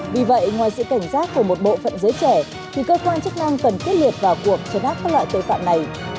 vì vậy ngoài sự cảnh giác của một bộ phận giới trẻ thì cơ quan chức năng cần tiết liệt vào cuộc cho đáp các loại tội phạm này